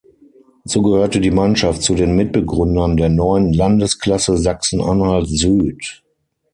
So gehörte die Mannschaft zu den Mitbegründern der neuen Landesklasse Sachsen-Anhalt Süd.